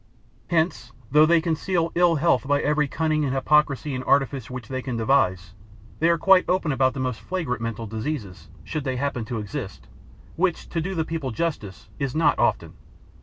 Hence, though they conceal ill health by every cunning and hypocrisy and artifice which they can devise, they are quite open about the most flagrant mental diseases, should they happen to exist, which to do the people justice is not often.